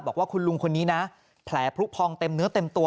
บอกว่าคุณลุงคนนี้นะแผลพลุพองเต็มเนื้อเต็มตัว